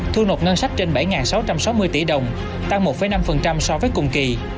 thu nộp ngân sách trên bảy sáu trăm sáu mươi tỷ đồng tăng một năm so với cùng kỳ